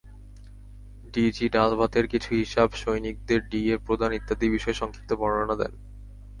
DG ডালভাতের কিছু হিসাব, সৈনিকদের ডিএ প্রদান ইত্যাদি বিষয়ে সংক্ষিপ্ত বর্ণনা দেন।